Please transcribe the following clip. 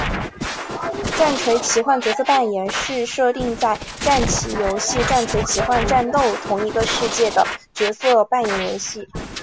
战锤奇幻角色扮演是设定在战棋游戏战锤奇幻战斗同一个世界的角色扮演游戏。